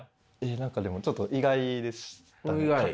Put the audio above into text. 何かでもちょっと意外でしたね。